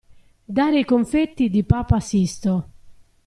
Dare i confetti di papa Sisto.